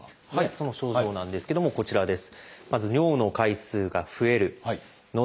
その症状なんですけどもこちらです。